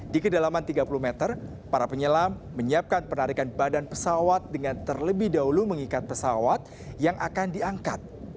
di kedalaman tiga puluh meter para penyelam menyiapkan penarikan badan pesawat dengan terlebih dahulu mengikat pesawat yang akan diangkat